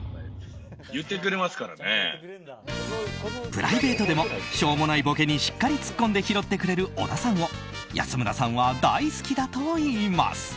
プライベートでもしょうもないボケにしっかりツッコんで拾ってくれる小田さんを安村さんは大好きだといいます。